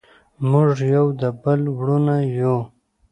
موږ یو د بل وروڼه یو.